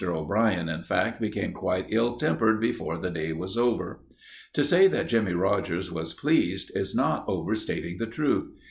O'Brien, in fact, became quite ill tempered before the day was over. To say that Jimmie Rogers was pleased is not overstating the truth.